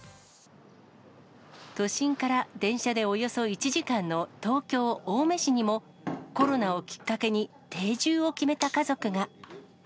都心から電車でおよそ１時間の東京・青梅市にも、コロナをきっかけに定住を決めた家族が。